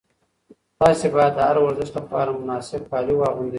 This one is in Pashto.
تاسي باید د هر ورزش لپاره مناسب کالي واغوندئ.